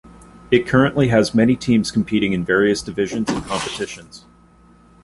It currently has many teams competing in various divisions and competitions.